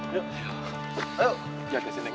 jangan kesini neng